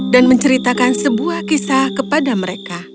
dan menceritakan sebuah kisah kepada mereka